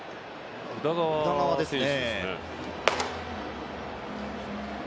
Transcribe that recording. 宇田川選手ですね。